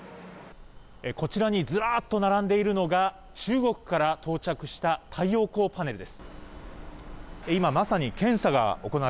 こちらにずらーっと並んでいるのが、中国から到着した太陽光パネルです。